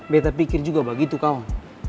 beta pikir juga begitu kawan